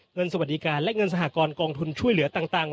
สวัสดีการและเงินสหกรณ์กองทุนช่วยเหลือต่าง